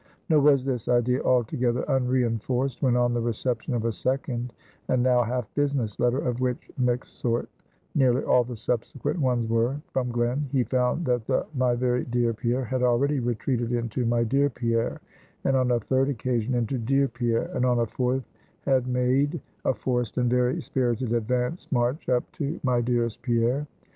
Nor was this idea altogether unreinforced, when on the reception of a second, and now half business letter (of which mixed sort nearly all the subsequent ones were), from Glen, he found that the "My very dear Pierre" had already retreated into "My dear Pierre;" and on a third occasion, into "Dear Pierre;" and on a fourth, had made a forced and very spirited advanced march up to "My dearest Pierre."